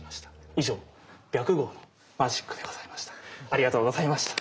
以上白毫のマジックでございました。